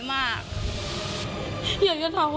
ดีกว่าจะได้ตัวคนร้าย